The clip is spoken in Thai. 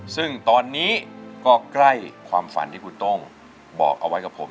ซึ่งตอนนี้ก็ใกล้ความฝันที่คุณต้องบอกเอาไว้กับผม